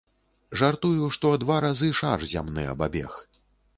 Жартую, што два разы шар зямны абабег.